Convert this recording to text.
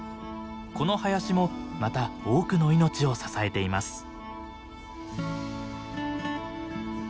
この林もまた多くの命を支えています。